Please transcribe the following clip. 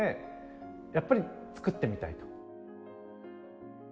やっぱり作ってみたいと。